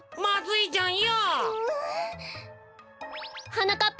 はなかっ